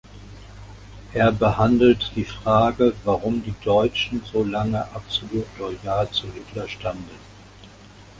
Er behandelt die Frage, warum die Deutschen so lange absolut loyal zu Hitler standen.